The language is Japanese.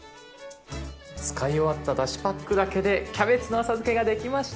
使い終わっただしパックだけでキャベツの浅漬けができました。